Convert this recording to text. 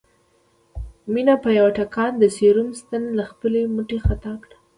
مينې په يوه ټکان د سيروم ستن له خپلې مټې خطا کړه